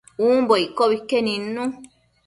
umbo iccobi que nidnu